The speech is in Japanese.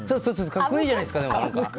格好いいじゃないですか。